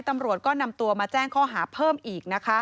ตำรวจก็นำตัวมาแจ้งข้อหาเพิ่มอีกนะคะ